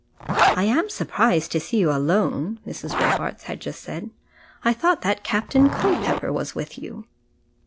"I am surprised to see you alone," Mrs. Robarts had just said; "I thought that Captain Culpepper was with you."